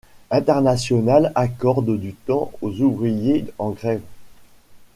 Internationale accorde du temps aux ouvriers en grève.